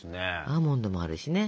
アーモンドもあるしね。